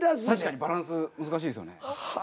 確かにバランス難しいですよね。